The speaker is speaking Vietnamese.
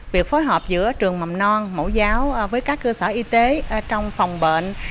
việc phối hợp giữa trường mầm non mẫu giáo với các cơ sở y tế trong phòng bệnh